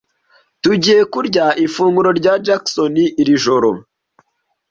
Tugiye kurya ifunguro rya Jackons 'iri joro.